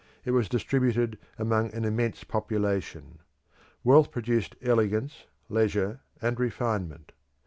It was distributed among an immense population. Wealth produced elegance, leisure, and refinement.